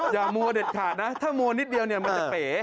อย่ามัวเด็ดขาดนะถ้ามัวนิดเดียวเนี่ยมันจะเป๋